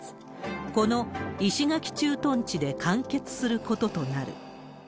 この石垣駐屯地で完結することとなる。